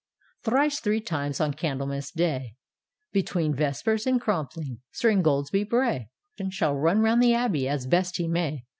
" Thrice three times on Candlemas day, Between Vespers and Compline, Sir Ingoldsby Bray Shall run round the Abbey, its best he may.